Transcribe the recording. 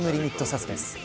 サスペンス